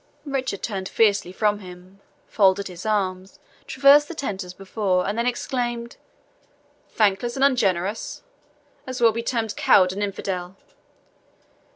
Richard turned fiercely from him, folded his arms, traversed the tent as before, and then exclaimed, "Thankless and ungenerous! as well be termed coward and infidel!